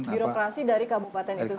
birokrasi dari kabupaten itu sendiri